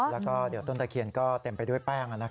แล้วก็เดี๋ยวต้นตะเคียนก็เต็มไปด้วยแป้ง